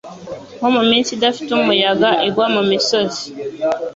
nko muminsi idafite umuyaga igwa mumisozi